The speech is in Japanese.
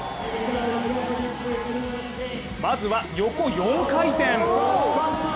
まずは横４回転。